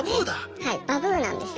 はいバブーなんですよ。